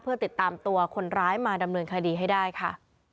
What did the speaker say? เพื่อติดตามตัวคนร้ายมาดำเนินคดีให้ได้ค่ะ